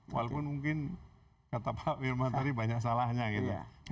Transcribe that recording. walaupun mungkin kata pak wirma tadi banyak salahnya gitu